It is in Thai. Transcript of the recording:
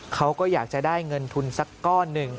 เขาก็อยากจะได้เงินทุนสักก้อนหนึ่ง